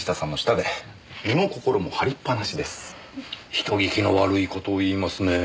人聞きの悪い事を言いますねぇ。